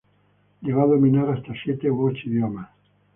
Llegó a dominar hasta siete u ocho idiomas.